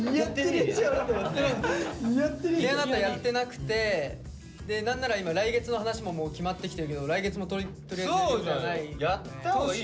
「ってあなた」やってなくてで何なら今来月の話ももう決まってきてるけど来月もとりあえず。